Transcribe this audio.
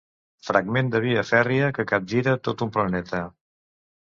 Fragment de via fèrria que capgira tot un planeta.